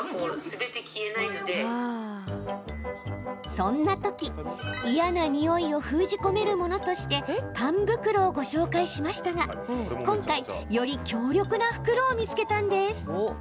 そんなとき、嫌なにおいを封じ込めるものとしてパン袋をご紹介しましたが、今回より強力な袋を見つけたんです。